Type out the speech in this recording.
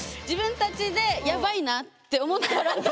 自分たちでヤバいなって思ったら。